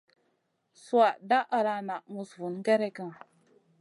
Sùha dah ala na muss vun gerekna.